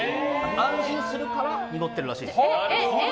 安心するから濁ってるらしいです。